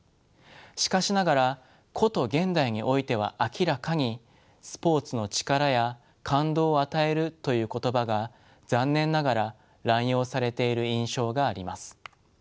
しかしながらこと現代においては明らかに「スポーツの力」や「感動を与える」という言葉が残念ながら濫用されている印象があります。